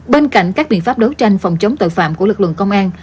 bên cạnh các biện pháp đấu tranh phòng chống tội phạm của lực lượng công an